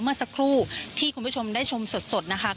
เมื่อสักครู่ที่คุณผู้ชมได้ชมสดนะคะ